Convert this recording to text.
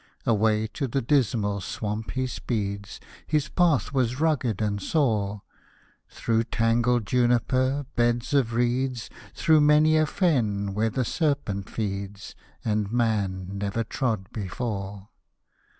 ' Away to the Dismal Swamp he speeds — His path was rugged and sore. Through tangled juniper, beds of reeds, Through many a fen, where the serpent feeds, And man never trod before.